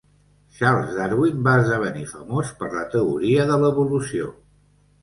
Charles Darwin va esdevenir famós per la teoria de l'evolució.